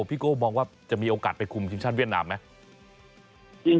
โก้มองว่าจะมีโอกาสไปคุมทีมชาติเวียดนามไหม